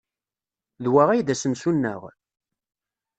D wa ay d asensu-nneɣ?